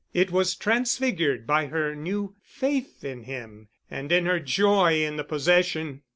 It was transfigured by her new faith in him, and in her joy in the possession.